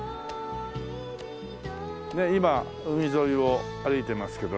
今海沿いを歩いていますけどね。